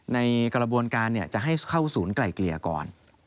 ในกระบวนการจะให้เข้าศูนย์ไกล่เกลี่ยก่อน